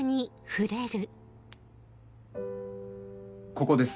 ここです